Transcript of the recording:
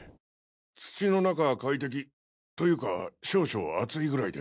土の中は快適というか少々暑いぐらいで。